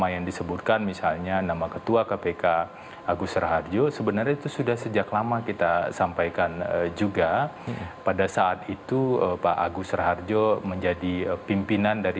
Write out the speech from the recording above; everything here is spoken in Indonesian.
jadi itu adalah yang sangat penting